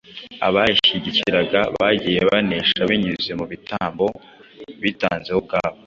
abayashyigikiraga bagiye banesha binyuze mu bitambo bitanzeho ubwabo